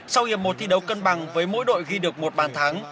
sau hiệp một thi đấu cân bằng với mỗi đội ghi được một bàn thắng